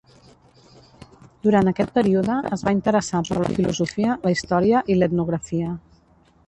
Durant aquest període, es va interessar per la filosofia, la història i l'etnografia.